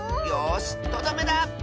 よしとどめだ！